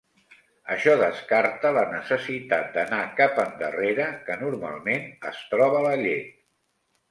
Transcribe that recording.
Això descarta la necessitat d'anar cap endarrere, que normalment es troba la llet.